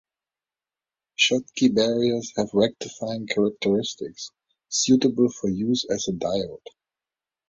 Schottky barriers have rectifying characteristics, suitable for use as a diode.